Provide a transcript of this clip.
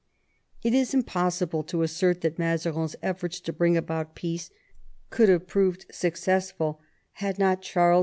It is impossible to assert that Mazarin's eflforts to bring about peace would have proved success ful had not Charles X.